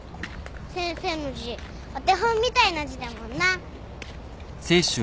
先生の字お手本みたいな字だもんな。